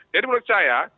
jadi menurut saya